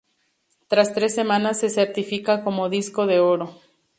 Tras tres semanas se certifica como disco de oro.